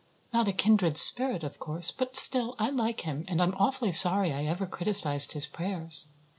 Not a kindred spirit, of course; but still I like him and I'm awfully sorry I ever criticized his prayers.